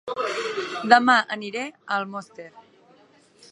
Dema aniré a Almoster